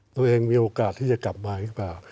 มีโอกาสที่จะกลับมาหรือเปล่า